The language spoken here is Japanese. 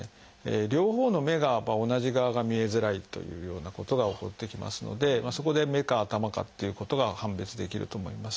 両方の目が同じ側が見えづらいというようなことが起こってきますのでそこで目か頭かっていうことが判別できると思います。